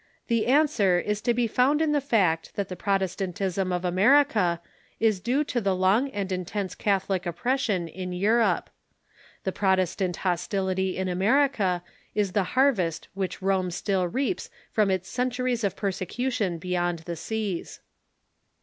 the answer is to be found in the fact that the Protestantism of America is due to the long and intense Cath olic oppression in Europe. The Protestant hostility in Amer ica is the harvest which Rome still reaps from its centuries of persecution beyond the seas.